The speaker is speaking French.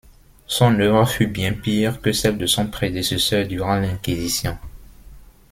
Son œuvre fut bien pire que celle de son prédécesseur durant l'Inquisition.